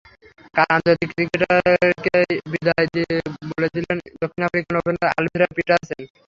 কাল আন্তর্জাতিক ক্রিকেটকেই বিদায় বলে দিলেন দক্ষিণ আফ্রিকান ওপেনার আলভিরো পিটারসেন।